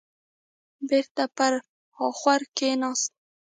بېرته پر اخور کيناست.